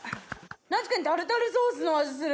確かにタルタルソースの味する！